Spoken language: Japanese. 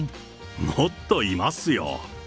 もっといますよ。